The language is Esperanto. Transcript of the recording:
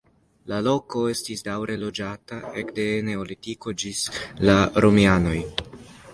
La loko estis daŭre loĝata ekde la neolitiko ĝis la romianoj.